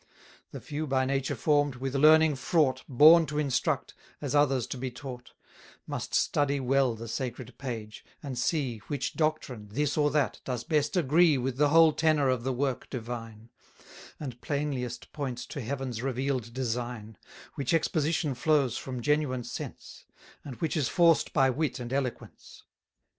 The few by nature form'd, with learning fraught, Born to instruct, as others to be taught, Must study well the sacred page; and see Which doctrine, this or that, does best agree With the whole tenor of the work divine: 330 And plainliest points to Heaven's reveal'd design: Which exposition flows from genuine sense; And which is forced by wit and eloquence.